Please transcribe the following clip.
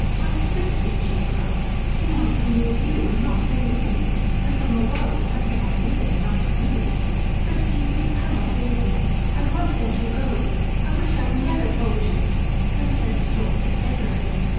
"Why, Fritzi," she cried, "he might remove you and not you him and from a world that hasn't had nearly enough of you. Fritzi, you cannot leave me. I won't let you go. I wish I had never told you. Don't let us talk of it ever again.